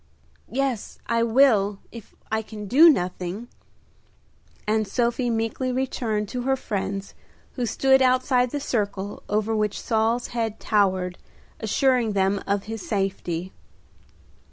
"Yes, I will, if I can do nothing;" and Sophie meekly returned to her friends who stood outside the circle over which Saul's head towered, assuring them of his safety.